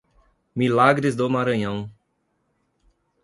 Milagres do Maranhão